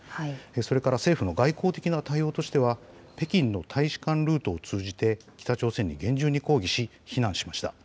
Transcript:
それから政府の外交的な対応としては北京の大使館ルートを通じて北朝鮮に厳重に抗議し非難しました。